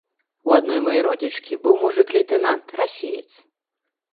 У адной маёй родзічкі быў мужык лейтэнант, расеец.